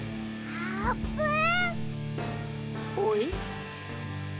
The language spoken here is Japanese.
あーぷん。